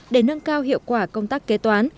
để nâng cao hiệu quả công tác kế toán